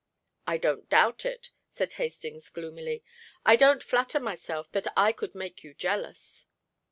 "I don't doubt it," said Hastings, gloomily. "I don't flatter myself that I could make you jealous."